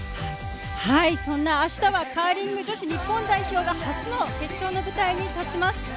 明日はカーリング女子日本代表が初の決勝の舞台に立ちます。